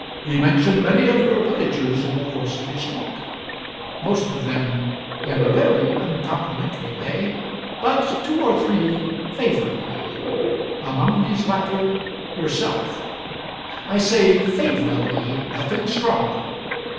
He mentioned many of your villagers in the course of his talk most of them in a very uncomplimentary way, but two or three favourably: among these latter yourself. I say 'favourably' nothing stronger.